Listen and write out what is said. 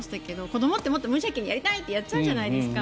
子どもってもっと無邪気にやりたい！ってやっちゃうじゃないですか。